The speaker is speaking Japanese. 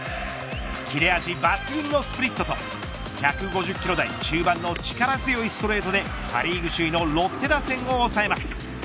切れ味抜群のスプリットと１５０キロ台中盤の力強いストレートでパ・リーグ首位のロッテ打線を抑えます。